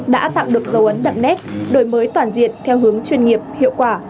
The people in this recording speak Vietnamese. đã tạo được dấu ấn đậm nét đổi mới toàn diện theo hướng chuyên nghiệp hiệu quả